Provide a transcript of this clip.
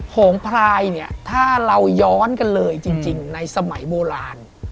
โหงพลายเนี่ยถ้าเราย้อนกันเลยจริงในสมัยโบราณ